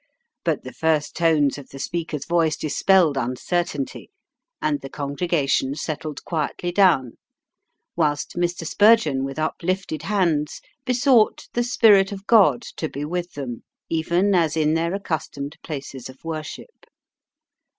But the first tones of the speaker's voice dispelled uncertainty, and the congregation settled quietly down, whilst Mr. Spurgeon, with uplifted hands, besought "the Spirit of God to be with them, even as in their accustomed places of worship."